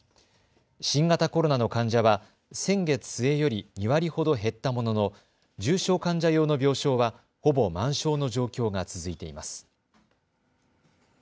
新型コロナの患者は先月末より２割ほど減ったものの重症患者用の病床はほぼ満床の状況が続いています。